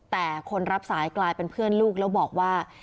แต่คนรับสายกลายเป็นเพื่อนลูกแล้วบอกว่า